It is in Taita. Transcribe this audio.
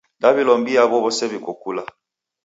Daw'ilombia aw'o w'ose w'iko kula.